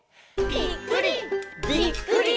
ぴっくり！